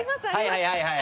はいはいはい。